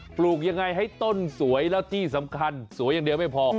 ปลูกยังไงให้ต้นสวยแล้วที่สำคัญสวยอย่างเดียวไม่พอ